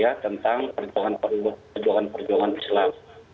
ya tentang perjuangan perjuangan islam